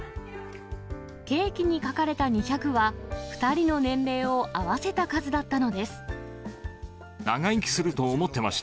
ケーキに書かれた２００は、２人の年齢を合わせた数だったの長生きすると思ってました？